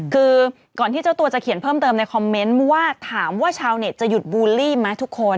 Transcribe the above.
คือก่อนที่เจ้าตัวจะเขียนเพิ่มเติมในคอมเมนต์ว่าถามว่าชาวเน็ตจะหยุดบูลลี่ไหมทุกคน